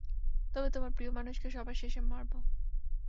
তবে, তোমার প্রিয় মানুষকে সবার শেষে মারবো।